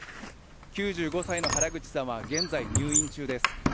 ９５歳の原口さんは現在入院中です。